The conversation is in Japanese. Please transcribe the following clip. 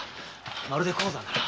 まるで鉱山だな？